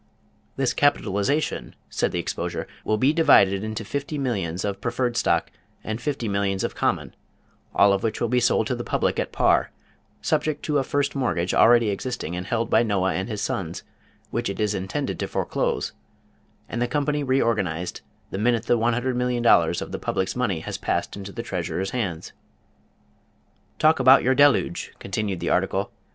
"This capitalization," said the exposure, "will be divided into fifty millions of preferred stock, and fifty millions of common, all of which will be sold to the public at par; subject to a first mortgage already existing, and held by Noah and his sons, which it is intended to foreclose, and the company reorganized, the minute the $100,000,000 of the public's money has passed into the treasurer's hands. "Talk about your deluge!" continued the article.